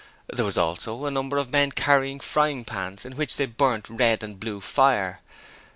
There were also a number of men carrying frying pans in which they burnt red and blue fire.